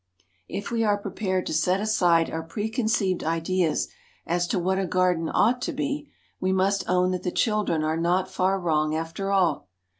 If we are prepared to set aside our pre conceived ideas as to what a garden ought to be, we must own that the children are not far wrong after all.